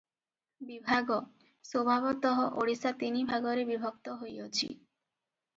ବିଭାଗ - ସ୍ୱଭାବତଃ ଓଡ଼ିଶା ତିନି ଭାଗରେ ବିଭକ୍ତ ହୋଇଅଛି ।